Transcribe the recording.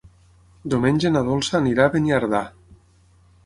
Diumenge na Dolça anirà a Beniardà.